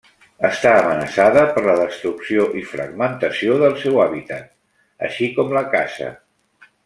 Està amenaçada per la destrucció i fragmentació del seu hàbitat, així com la caça.